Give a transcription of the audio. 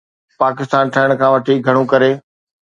پاڪستان ٺهڻ کان وٺي گهڻو ڪري